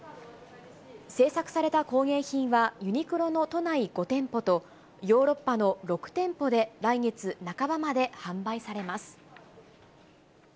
制作された工芸品は、ユニクロの都内５店舗とヨーロッパの６店舗で、来月半ばまで販売されます。